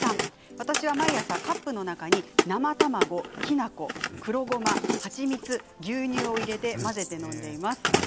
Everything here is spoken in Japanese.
私は毎朝、カップの中に生卵、きな粉、黒ごま、蜂蜜牛乳を入れて混ぜて飲んでいます。